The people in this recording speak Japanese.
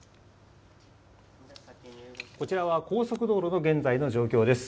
こちらは高速道路の現在の状況です。